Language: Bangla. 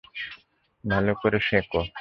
ভালো করে শোঁকো।